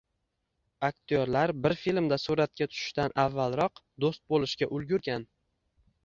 Aktyorlar bir filmda suratga tushishdan avvalroq do‘st bo‘lishga ulgurgan